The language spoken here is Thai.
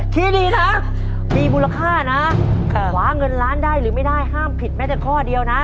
ที่ดีนะมีมูลค่านะขวาเงินล้านได้หรือไม่ได้ห้ามผิดแม้แต่ข้อเดียวนะ